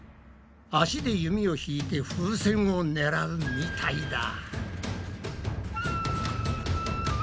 足で弓を引いて風船を狙うみたいだ。